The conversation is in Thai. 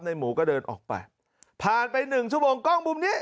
หมูก็เดินออกไปผ่านไปหนึ่งชั่วโมงกล้องมุมนี้